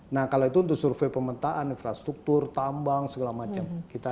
nah kalau itu untuk survei pemetaan infrastruktur tambang segala macam